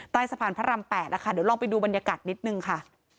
สะพานพระราม๘นะคะเดี๋ยวลองไปดูบรรยากาศนิดนึงค่ะ